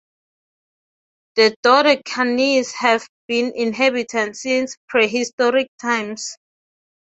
The Dodecanese have been inhabited since prehistoric times.